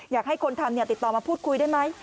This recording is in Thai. อยากให้คนทำติดต่อมาพูดคุยได้ไหม